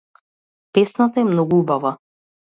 Песната е многу убава.